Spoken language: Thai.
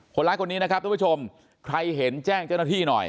คนร้ายคนนี้นะครับทุกผู้ชมใครเห็นแจ้งเจ้าหน้าที่หน่อย